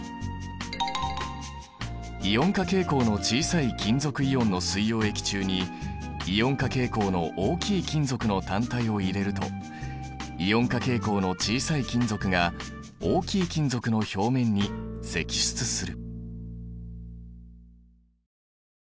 イオン化傾向の小さい金属イオンの水溶液中にイオン化傾向の大きい金属の単体を入れるとイオン化傾向の小さい金属が大きい金属の表面に析出する。